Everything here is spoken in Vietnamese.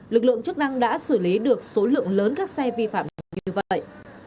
lực lượng chức năng đã xử lý được số lượng lớn các xe vi phạm như vậy